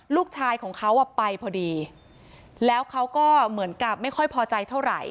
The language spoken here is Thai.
ลูกชายของเขาอ่ะไปพอดีแล้วเขาก็เหมือนกับไม่ค่อยพอใจเท่าไหร่